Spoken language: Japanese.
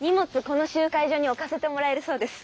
この集会所に置かせてもらえるそうです。